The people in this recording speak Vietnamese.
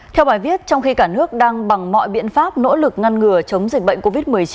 theo bài viết trong khi cả nước đang bằng mọi biện pháp nỗ lực ngăn ngừa chống dịch bệnh covid một mươi chín